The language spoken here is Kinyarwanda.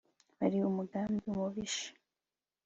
Wari umugambi mubisha